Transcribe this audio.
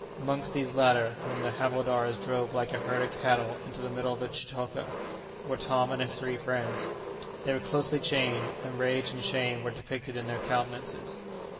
Amongst these latter, whom the havildars drove like a herd of cattle into the middle of the chitoka, were Tom and his three friends. They were closely chained, and rage and shame were depicted in their countenances.